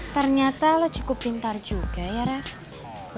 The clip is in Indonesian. ternyata lu cukup pintar juga ya reva